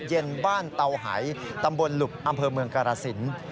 เย็นบ้านเตาหายตำบลหลุบอำเภอเมืองกรสิน